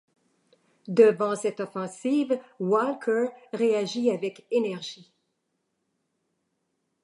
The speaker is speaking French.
Devant cette offensive, Walker réagit avec énergie.